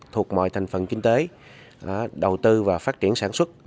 thuộc mọi thành phần kinh tế đầu tư và phát triển sản xuất